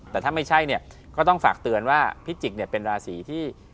แต่ถ้าไม่ใช่ก็ต้องฝากเตือนว่าพี่จิกเป็นราศีที่